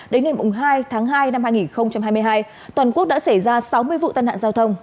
đến ngày hai tháng hai năm hai nghìn hai mươi hai toàn quốc đã xảy ra sáu mươi vụ tai nạn giao thông